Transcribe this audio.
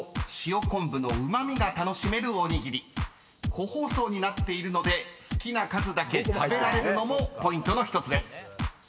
［個包装になっているので好きな数だけ食べられるのもポイントの１つです］